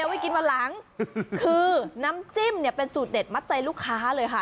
ไว้กินวันหลังคือน้ำจิ้มเนี่ยเป็นสูตรเด็ดมัดใจลูกค้าเลยค่ะ